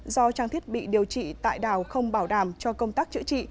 do trang thiết bị điều trị tại đảo không bảo đảm cho công tác chữa trị